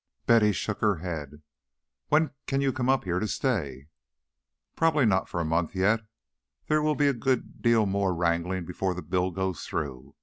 Betty shook her head. "When can you come up here to stay?" "Probably not for a month yet. There will be a good deal more wrangling before the bill goes through.